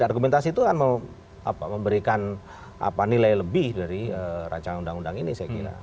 dan argumentasi itu akan memberikan nilai lebih dari racang undang undang ini saya kira